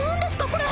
これ。